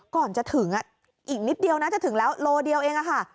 ก่อนจะถึงอีกนิดเดียวนะจะถึงแล้วโลเดียวเองค่ะ